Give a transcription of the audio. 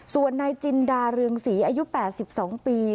ส่วนนายจินดาเรืองศรีอายุ๘๒ปี